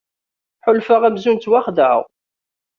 Ḥulfaɣ amzun ttwaxedɛeɣ.